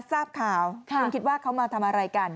ทราบข่าวคุณคิดว่าเขามาทำอะไรกัน